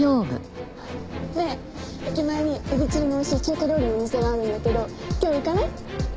ねえ駅前にエビチリの美味しい中華料理のお店があるんだけど今日行かない？